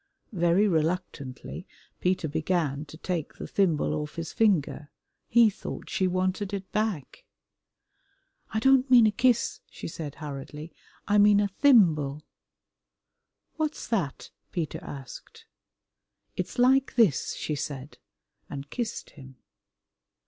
Very reluctantly Peter began to take the thimble off his finger. He thought she wanted it back. "I don't mean a kiss," she said hurriedly, "I mean a thimble." "What's that?" Peter asked. "It's like this," she said, and kissed him.